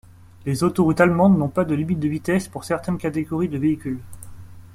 Les autoroutes allemandes n'ont pas de limite de vitesse pour certaines catégories de véhicules.